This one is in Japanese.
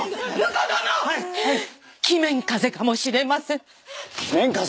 鬼面風邪かもしれません鬼面風邪？